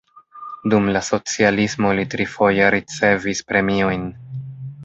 Dum la socialismo li trifoje ricevis premiojn.